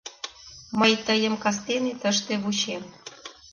Мый тыйым кастене тыште вучем.